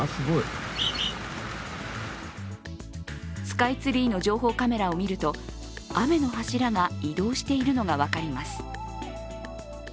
スカイツリーの情報カメラを見ると雨の柱が移動しているのが分かります。